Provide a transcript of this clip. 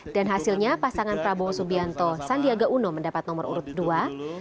dan hasilnya pasangan prabowo subianto sandiaga uno mendapat nomor urut dua